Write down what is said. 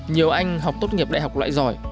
nhiều anh học tốt nghiệp đại học loại giỏi